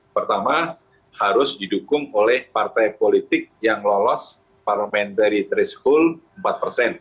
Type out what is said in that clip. pertama harus didukung oleh partai politik yang lolos parliamentary threshold empat persen